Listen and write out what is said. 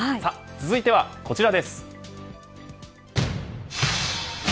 続いてはこちらです。